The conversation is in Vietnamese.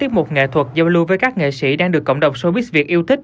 hai tháng chín với chủ đề